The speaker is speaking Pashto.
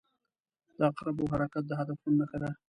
• د عقربو حرکت د هدفونو نښه ده.